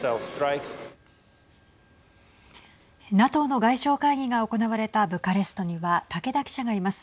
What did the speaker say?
ＮＡＴＯの外相会議が行われたブカレストには竹田記者がいます。